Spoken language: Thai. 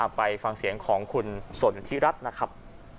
ไปฟังเสียงของคุณสนทิรัฐนะครับ